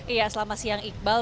iya selama siang iqbal